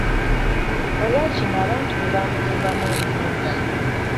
Olwa kino abantu be baamuyimbamu oluyimba.